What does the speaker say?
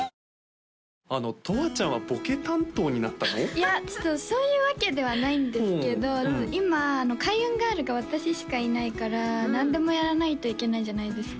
いやちょっとそういうわけではないんですけど今ＫａｉｕｎＧｉｒｌが私しかいないから何でもやらないといけないじゃないですか